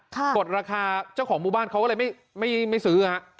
กดราคาเจ้าของหมู่บ้านเขาก็เลยไม่ซื้อฮะ